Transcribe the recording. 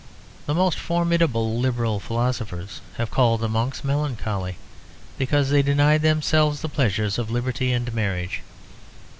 The most formidable liberal philosophers have called the monks melancholy because they denied themselves the pleasures of liberty and marriage.